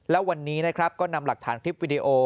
และวันนี้นะครับก็นำหลักฐานคลิปวิดีโอ